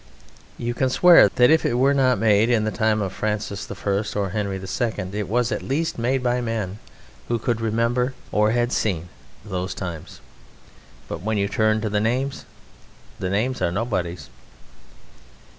You can swear that if it were not made in the time of Francis I or Henry II it was at least made by men who could remember or had seen those times. But when you turn to the names the names are nobodies.